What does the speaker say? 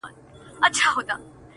مــروره در څه نـه يمـه ه-